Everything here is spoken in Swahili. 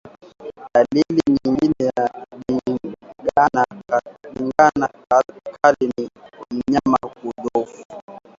Dalili nyingine ya ndigana kali ni mnyama kudhoofu